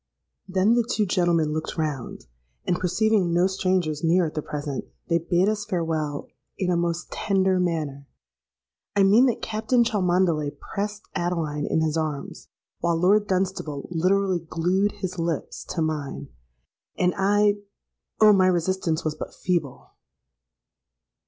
Then the two gentlemen looked round, and, perceiving no strangers near at the present, they bade us farewell in a most tender manner:—I mean that Captain Cholmondeley pressed Adeline in his arms, while Lord Dunstable literally glued his lips to mine. And I——Oh! my resistance was but feeble!